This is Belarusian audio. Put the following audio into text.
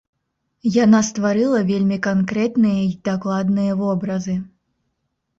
Яна стварыла вельмі канкрэтныя й дакладныя вобразы.